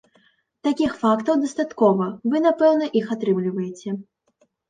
Такіх фактаў дастаткова, вы, напэўна, іх атрымліваеце.